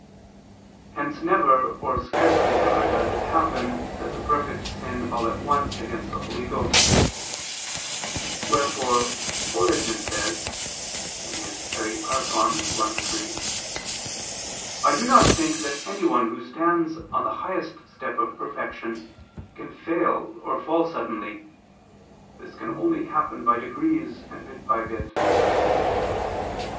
Hence never or scarcely ever does it happen that the perfect sin all at once against the Holy Ghost: wherefore Origen says (Peri Archon. i, 3): "I do not think that anyone who stands on the highest step of perfection, can fail or fall suddenly; this can only happen by degrees and bit by bit."